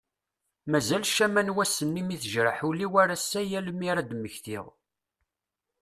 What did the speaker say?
Mazal ccama n wass-nni mi tejreḥ ul-iw ar ass-a yal mi ad d-mmektiɣ.